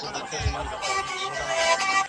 خو پایله یې خوندوره ده.